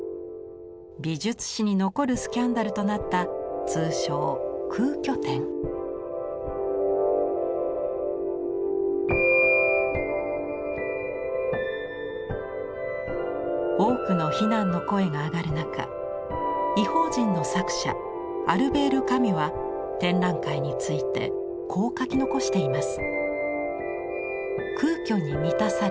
美術史に残るスキャンダルとなった通称多くの非難の声が上がる中「異邦人」の作者アルベール・カミュは展覧会についてこう書き残しています。